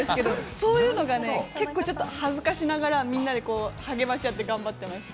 そういうのがね、結構ちょっと恥ずかしながらみんなでこう、励まし合って、頑張ってました。